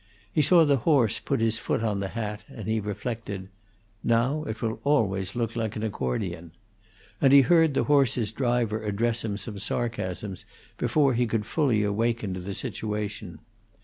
He saw the horse put his foot on the hat, and he reflected, "Now it will always look like an accordion," and he heard the horse's driver address him some sarcasms before he could fully awaken to the situation.